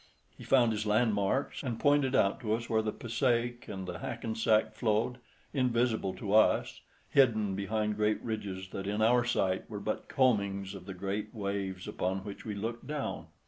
He found his landmarks, and pointed out to us where the Passaic and the Hackensack flowed, invisible to us, hidden behind great ridges that in our sight were but combings of the green waves upon which we looked down.